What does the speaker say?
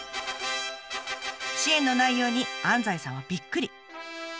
支援の内容に安西さんはびっくり。